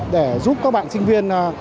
để giúp các bạn sinh viên